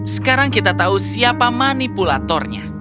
sekarang kita tahu siapa manipulatornya